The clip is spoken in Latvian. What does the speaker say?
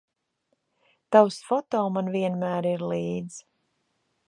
Tavs foto man vienmēr ir līdz